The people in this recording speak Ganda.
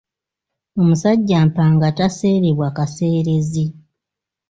Omusajja mpanga taseerebwa kaseerezi.